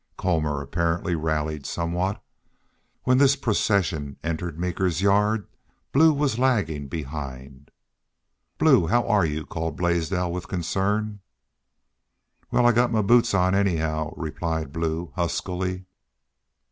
Colmor apparently rallied somewhat. When this procession entered Meeker's yard, Blue was lagging behind. "Blue, how air y'u?" called Blaisdell, with concern. "Wal, I got my boots on anyhow," replied Blue, huskily.